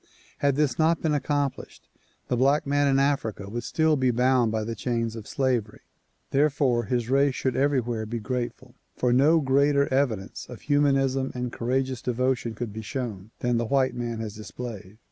Had this not been accomplished the black man in Africa would still be bound by the chains of slavery. Therefore his race should everywhere be grateful, for no greater evidence of humanism and courageous devotion could be shown than the white man has displayed.